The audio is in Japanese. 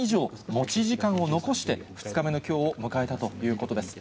持ち時間を残して２日目のきょうを迎えたということです。